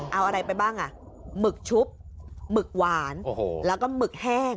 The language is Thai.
เอาอะไรไปบ้างอ่ะหมึกชุบหมึกหวานแล้วก็หมึกแห้ง